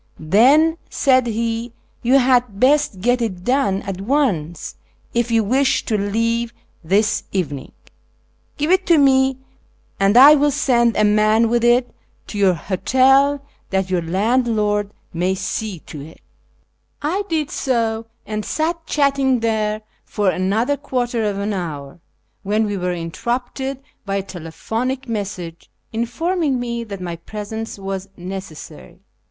" Then," said he, " you had best get it done at once if you wish to leave this evening; give it to me, and I will send a man with it to your hotel that your landlord may see to it." FROM KIRMAN to ENGLAND 573 I did so, and sat chatting there for another quarter of an hour, when we were interrupted by a telephonic message informing me that my presence was necessary.